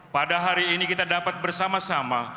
pada hari ini kita dapat bersama sama